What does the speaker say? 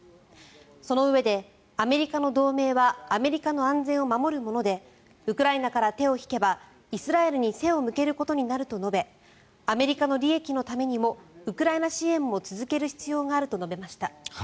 そのうえで、アメリカの同盟はアメリカの安全を守るものでウクライナから手を引けばイスラエルに背を向けることになると述べアメリカの利益のためにもウクライナ支援も続ける必要があると訴えました。